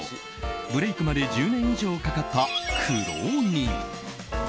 ブレークまで１０年以上かかった苦労人。